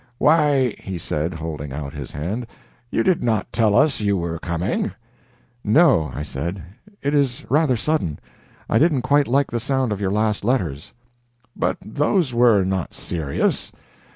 "Why," he said, holding out his hand, "you did not tell us you were coming?" "No," I said, "it is rather sudden. I didn't quite like the sound of your last letters." "But those were not serious.